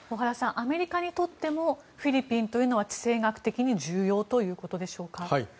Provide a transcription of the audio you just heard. アメリカにとってもフィリピンというのは地政学的に重要ということでしょうか。